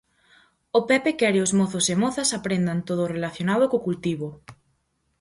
O Pepe quere os mozos e mozas aprendan todo o relacionado co cultivo.